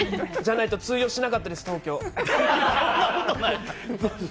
じゃないと通用しなかったです、東京。